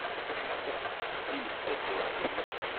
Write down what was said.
Tessexsimt aselkim.